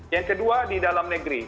yang kedua di dalam negeri